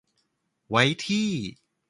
ไว้ที่